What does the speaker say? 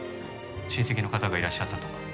親戚の方がいらっしゃったとか？